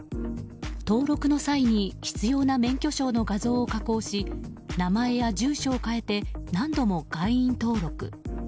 登録の際に必要な免許証の画像を加工し名前や住所を変えて何度も会員登録。